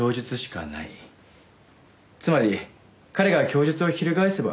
つまり彼が供述を翻せば。